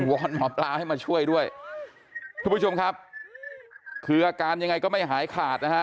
วอนหมอปลาให้มาช่วยด้วยทุกผู้ชมครับคืออาการยังไงก็ไม่หายขาดนะฮะ